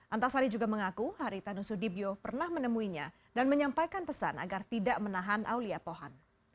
antasari juga mengaku haritanu sudibyo pernah menemuinya dan menyampaikan pesan agar tidak menahan aulia pohan